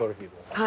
はい。